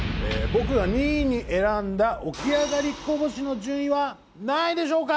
僕が２位に選んだ起き上がり小法師の順位は何位でしょうか？